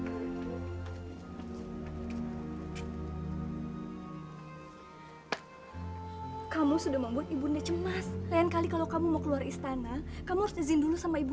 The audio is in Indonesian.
hai kamu sudah membuat ibu cemas lain kali kalau kamu mau keluar istana kamu izin dulu sama ibu